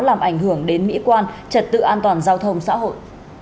làm ảnh hưởng đến mỹ quan trật tự an toàn giao thông xã hội